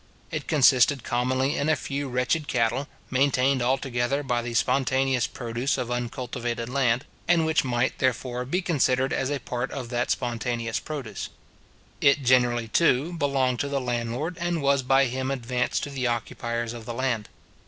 It consisted commonly in a few wretched cattle, maintained altogether by the spontaneous produce of uncultivated land, and which might, therefore, be considered as a part of that spontaneous produce. It generally, too, belonged to the landlord, and was by him advanced to the occupiers of the land.